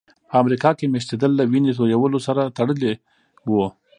په امریکا کې مېشتېدل له وینې تویولو سره تړلي وو.